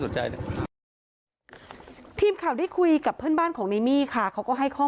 ส่วนเรื่องยาเสพติจ